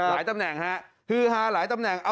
ตำแหน่งฮะฮือฮาหลายตำแหน่ง